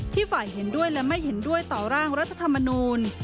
ฝ่ายเห็นด้วยและไม่เห็นด้วยต่อร่างรัฐธรรมนูล